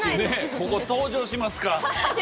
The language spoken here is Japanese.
ここ登場しますか？